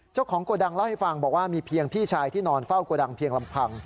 โกดังเล่าให้ฟังบอกว่ามีเพียงพี่ชายที่นอนเฝ้าโกดังเพียงลำพัง